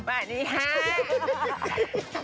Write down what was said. วันนี้ฮะ